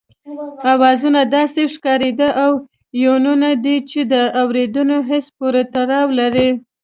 آوازونه داسې ښکارندې او يوونونه دي چې د اورېدني حس پورې تړاو لري